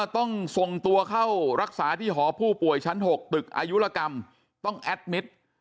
ต้องส่งตัวเข้ารักษาที่หอผู้ป่วยชั้น๖ตึกอายุรกรรมต้องแอดมิตร